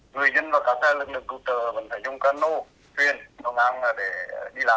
người dân và các loại lực lượng hỗ trợ vẫn phải dùng cano chuyên đồng hành để đi lại